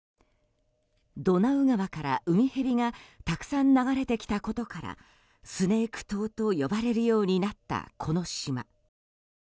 ドナウ川からウミヘビがたくさん流れてきたことからスネーク島と呼ばれるようになった、この島。